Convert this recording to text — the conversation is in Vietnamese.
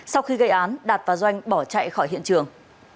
sau khi gây án đạt và doanh bỏ chạy khỏi hiện trường